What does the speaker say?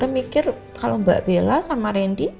mikir kalau mbak bella sama randy